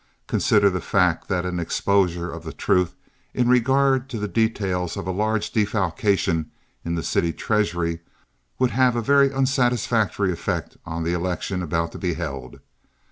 Consider the fact that an exposure of the truth in regard to the details of a large defalcation in the city treasury would have a very unsatisfactory effect on the election about to be held.